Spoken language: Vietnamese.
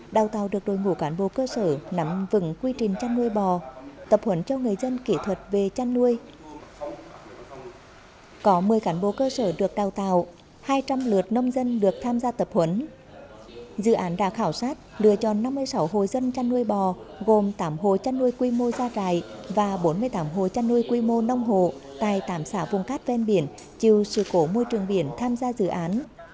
dự án đã khảo sát đưa cho năm mươi sáu hồ dân chăn nuôi bò gồm tám hồ chăn nuôi quy mô gia trại và bốn mươi tám hồ chăn nuôi quy mô nông hồ tại tám xã vùng cát ven biển chiều sự cổ môi trường biển tham gia dự án